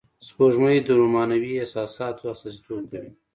سپوږمۍ د رومانوی احساساتو استازیتوب کوي